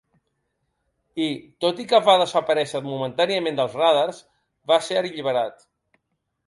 I, tot i que va desaparèixer momentàniament dels radars, va ser alliberat.